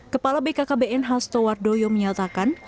kepala bkkbn hasto wardoyo menyatakan